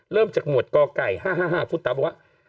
เริ่มจากหมวดกไก่๕๕พุทธตาบอกว่า